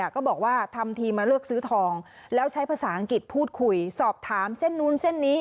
ก็บอกว่าทำทีมาเลือกซื้อทองแล้วใช้ภาษาอังกฤษพูดคุยสอบถามเส้นนู้นเส้นนี้